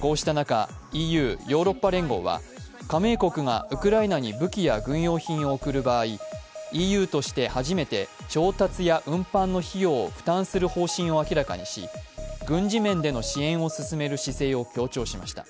こうした中、ＥＵ＝ヨーロッパ連合は加盟国がウクライナに武器や軍用品を送る場合、ＥＵとして初めて調達や運搬の費用を負担する方針を明らかにし軍事面での支援を進める姿勢を強調しました。